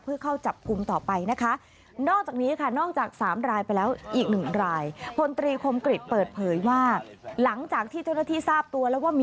เพื่อเข้าจับกลุ่มต่อไปนะคะ